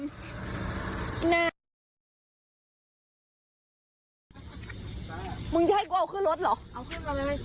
มึงจะให้กูเอาขึ้นรถเหรอ